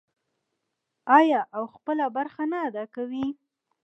آیا او خپله برخه نه ادا کوي؟